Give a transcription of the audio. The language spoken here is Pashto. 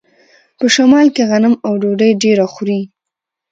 په شمال کې غنم او ډوډۍ ډیره خوري.